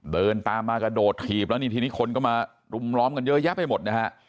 เดินตามมากระโดดถีบแล้วนี่ทีนี้คนก็มารุมล้อมกันเยอะแยะไปหมดนะฮะ